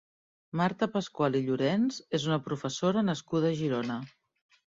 Marta Pasqual i Llorenç és una professora nascuda a Girona.